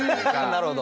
なるほど。